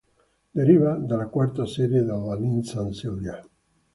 Deriva dalla quarta serie della Nissan Silvia.